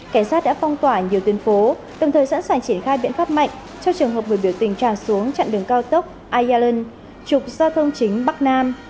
cảnh sát đã phong tỏa nhiều tuyên phố đồng thời sẵn sàng triển khai biện pháp mạnh cho trường hợp người biểu tình tràn xuống chặn đường cao tốc ayal trục giao thông chính bắc nam